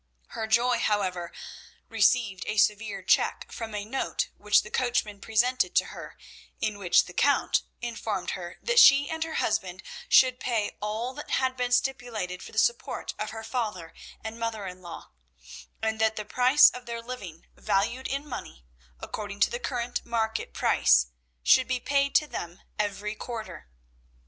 Her joy, however, received a severe check from a note which the coachman presented to her, in which the Count informed her that she and her husband should pay all that had been stipulated for the support of her father and mother in law; and that the price of their living valued in money, according to the current market price, should be paid to them every quarter.